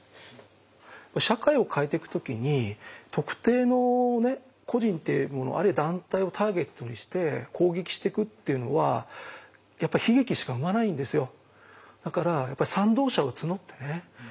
社会を変えてく時に特定の個人っていうものあるいは団体をターゲットにして攻撃してくっていうのはやっぱり悲劇しか生まないんですよ。